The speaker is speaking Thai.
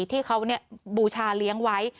ที่เขาบูชาเลี้ยงไว้